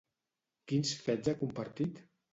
Quins fets ha compartit?